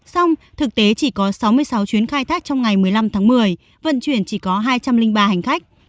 xong thực tế chỉ có sáu mươi sáu chuyến khai thác trong ngày một mươi năm tháng một mươi vận chuyển chỉ có hai trăm linh ba hành khách